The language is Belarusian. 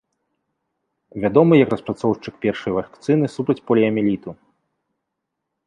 Вядомы як распрацоўшчык першай вакцыны супраць поліяміэліту.